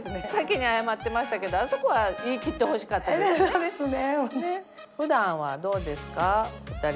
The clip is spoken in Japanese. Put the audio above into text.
そうですね。